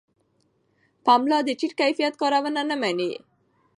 پملا د ټیټ کیفیت کارونه نه مني.